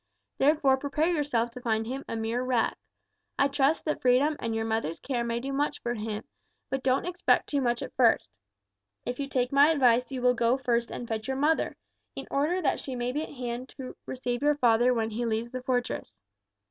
Therefore prepare yourself to find him a mere wreck. I trust that freedom and your mother's care may do much for him, but don't expect too much at first. If you take my advice you will go first and fetch your mother, in order that she may be at hand to receive your father when he leaves the fortress.